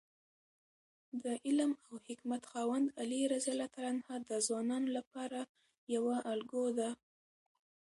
د علم او حکمت خاوند علي رض د ځوانانو لپاره یوه الګو ده.